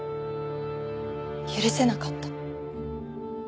許せなかった。